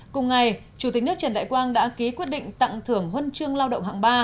cùng ngày chủ tịch nước trần đại quang đã ký quyết định tặng thưởng huân chương lao động hạng ba